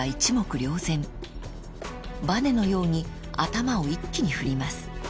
［ばねのように頭を一気に振ります］